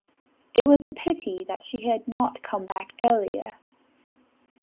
It was a pity that she had not come back earlier!